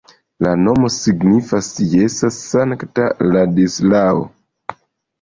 La nomo signifas jasa-sankta-Ladislao.